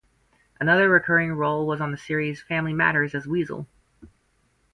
Another recurring role was on the series "Family Matters" as "Weasel".